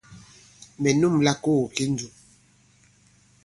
Mɛ̀ nûmla kogo ki ndùm.